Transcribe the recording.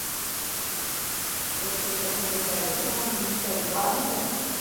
Крәҫтиәндәрҙең ерҙәре булмаһа, иректәре бармы һуң?